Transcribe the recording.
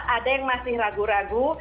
ada yang masih ragu ragu